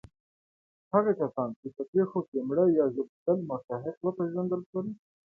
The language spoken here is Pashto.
هغه کسان چې په پېښو کې مړه یا ژوبلېدل مستحق وپېژندل شول.